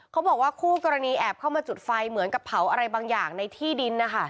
เขาบอกว่าคู่กรณีแอบเข้ามาจุดไฟเหมือนกับเผาอะไรบางอย่างในที่ดินนะคะ